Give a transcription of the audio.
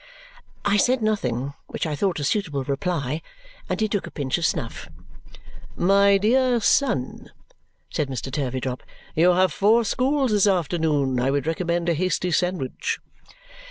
I said nothing, which I thought a suitable reply; and he took a pinch of snuff. "My dear son," said Mr. Turveydrop, "you have four schools this afternoon. I would recommend a hasty sandwich."